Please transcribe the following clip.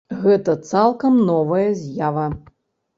Гэта цалкам новая з'ява.